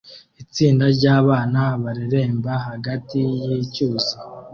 Itsinda ryabana bareremba hagati yicyuzi